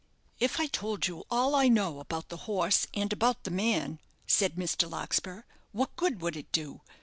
"If I told you all I know about the horse and about the man," said Mr. Larkspur, "what good would it do?